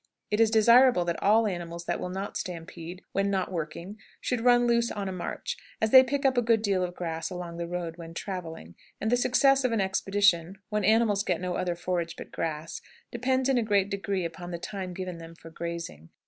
It is desirable that all animals that will not stampede when not working should run loose on a march, as they pick up a good deal of grass along the road when traveling, and the success of an expedition, when animals get no other forage but grass, depends in a great degree upon the time given them for grazing.